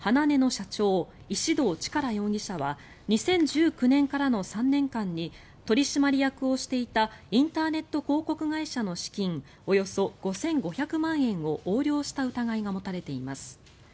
ｈａｎａｎｅの社長、石動力容疑者は２０１９年からの３年間に取締役をしていたインターネット広告会社の資金およそ５５００万円を横領した疑いが持たれています。